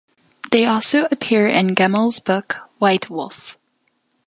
They also appear in Gemmell's book "White Wolf".